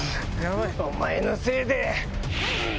お前のせいで！